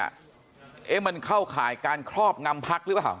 เอ๊ะมันเข้าข่ายการครอบงำพักหรือเปล่า